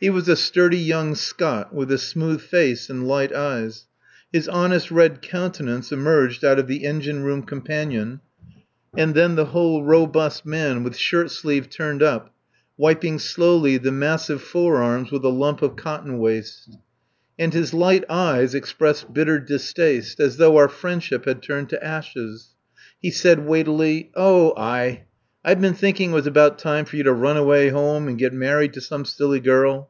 He was a sturdy young Scot, with a smooth face and light eyes. His honest red countenance emerged out of the engine room companion and then the whole robust man, with shirt sleeves turned up, wiping slowly the massive fore arms with a lump of cotton waste. And his light eyes expressed bitter distaste, as though our friendship had turned to ashes. He said weightily: "Oh! Aye! I've been thinking it was about time for you to run away home and get married to some silly girl."